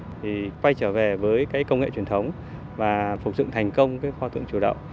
thì quay trở về với cái công nghệ truyền thống và phục dựng thành công cái pho tượng chủ động